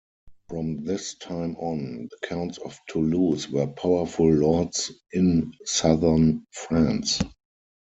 From this time on, the counts of Toulouse were powerful lords in southern France.